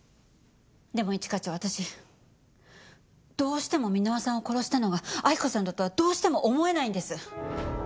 でも一課長私どうしても箕輪さんを殺したのは亜希子さんだとはどうしても思えないんです。